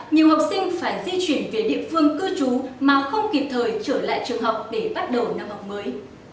nhiều học sinh phải di chuyển về địa phương cư trú mà không kịp thời trở lại trường học để bắt đầu năm học mới